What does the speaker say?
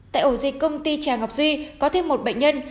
tại ổ dịch công ty trà ngọc duy có thêm một bệnh nhân